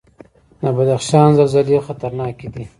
د بدخشان زلزلې خطرناکې دي